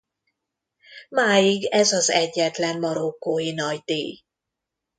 Máig ez az egyetlen marokkói nagydíj.